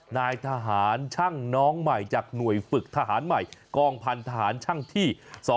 นายทหารช่างน้องใหม่จากหน่วยฝึกทหารใหม่กองพันธหารช่างที่๒